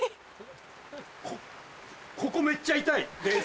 こここめっちゃ痛いです。